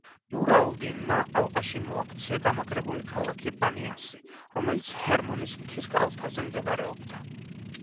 ნურ ალ-დინმა ალყაში მოაქცია გამაგრებული ქალაქი ბანიასი, რომელიც ჰერმონის მთის კალთაზე მდებარეობდა.